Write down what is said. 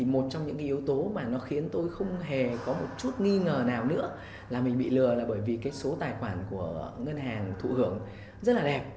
một trong những yếu tố mà nó khiến tôi không hề có một chút nghi ngờ nào nữa là mình bị lừa là bởi vì cái số tài khoản của ngân hàng thụ hưởng rất là đẹp